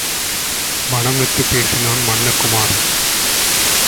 மனம் விட்டுப் பேசினான் மன்ன குமரன்.